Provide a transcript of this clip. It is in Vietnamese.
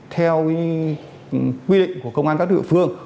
theo quy định của công an các địa phương